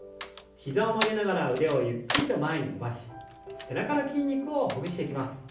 膝を曲げながら腕をゆっくりと前に伸ばし背中の筋肉をほぐしていきます。